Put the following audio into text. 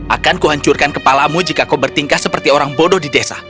akan kuhancurkan kepalamu jika kau bertingkah seperti orang bodoh di desa